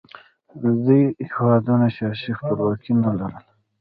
دې هېوادونو سیاسي خپلواکي نه لرله